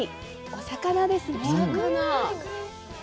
お魚ですね。